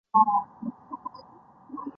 朗镇人口变化图示